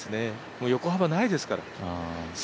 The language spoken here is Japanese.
横幅ないですからね。